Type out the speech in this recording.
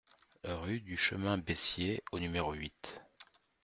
Rue du Chemin Bessier au numéro huit